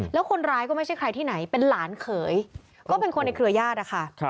แล้วคนร้ายก็ไม่ใช่ใครที่ไหนเป็นหลานเขยก็เป็นคนในเครือญาตินะคะ